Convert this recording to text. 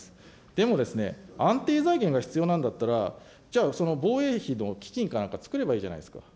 でも安定財源が必要なんだったら、じゃあ、その防衛費の基金かなんか作ればいいじゃないですか。